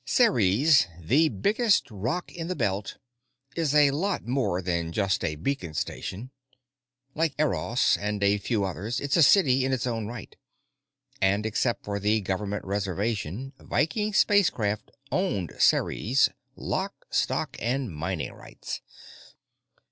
Ceres, the biggest rock in the Belt, is a lot more than just a beacon station. Like Eros and a few others, it's a city in its own right. And except for the Government Reservation, Viking Spacecraft owned Ceres, lock, stock, and mining rights.